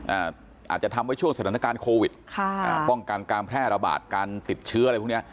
อาจจะทำไว้ช่วงสถานการณ์โควิดค่ะอ่าป้องกันการแพร่ระบาดการติดเชื้ออะไรพวกเนี้ย